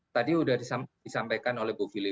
tadi sudah disampaikan oleh bu fili